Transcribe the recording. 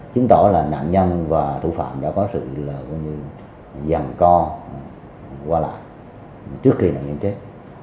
chứng tỏ là nạn nhân và thủ phạm đã có sự dàn co qua lại trước khi nạn nhân chết